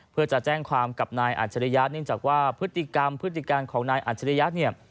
เพื่อจะแจ้งความกับนายอัจฉริยะเนื่องจากว่าพฤติกรรมพฤติการของนายอัจฉริยะเนี่ย